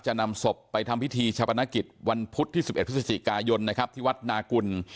นำศพไปทำพิธีชาปนกิจวันพุธที่๑๑พฤศจิกายนนะครับที่วัดนากุล